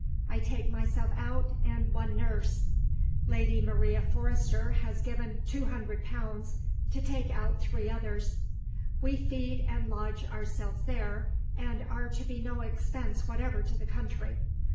I take myself out and one nurse. Lady Maria Forester has given £200 to take out three others. We feed and lodge ourselves there, and are to be no expense whatever to the country.